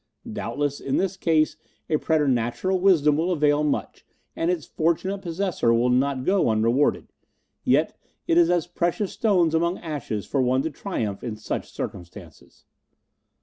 Doubtless in this case a preternatural wisdom will avail much, and its fortunate possessor will not go unrewarded. Yet it is as precious stones among ashes for one to triumph in such circumstances."